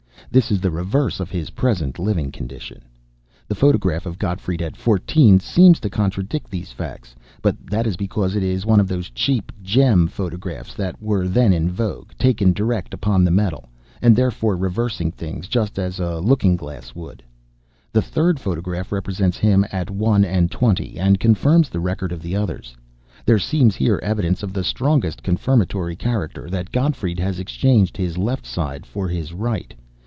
This is the reverse of his present living condition. The photograph of Gottfried at fourteen seems to contradict these facts, but that is because it is one of those cheap "Gem" photographs that were then in vogue, taken direct upon metal, and therefore reversing things just as a looking glass would. The third photograph represents him at one and twenty, and confirms the record of the others. There seems here evidence of the strongest confirmatory character that Gottfried has exchanged his left side for his right.